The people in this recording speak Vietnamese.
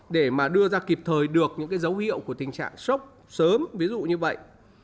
để mà đưa ra kịp thời được những cái dấu hiệu của tình trạng sốc sớm ví dụ như vậy